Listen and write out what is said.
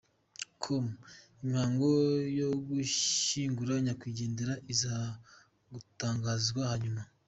com imihango yo gushyingura nyakwigendera iza gutangazwa hanyuma.